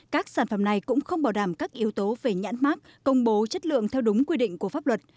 các sản phẩm này cũng không bảo đảm các yếu tố về nhãn mát công bố chất lượng theo đúng quy định của pháp luật